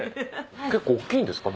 結構大っきいんですか？